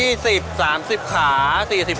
จนปัจจุบันถึง๑๐๐ขาครับ